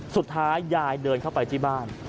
สุดท้ายยายเดินเข้าไปที่บ้าน